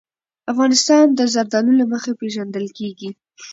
افغانستان د زردالو له مخې پېژندل کېږي.